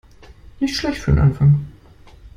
Nicht schlecht für den Anfang.